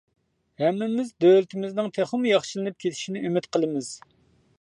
ھەممىمىز دۆلىتىمىزنىڭ تېخىمۇ ياخشىلىنىپ كېتىشىنى ئۈمىد قىلىمىز.